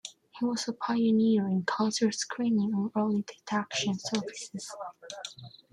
He was a pioneer in cancer screening and early detection services.